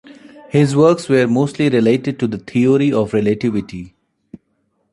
His works were mostly related to the theory of relativity.